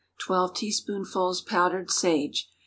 12 teaspoonfuls powdered sage.